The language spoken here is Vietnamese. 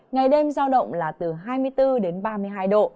ngày đêm giao động là từ hai mươi bốn đến ba mươi hai độ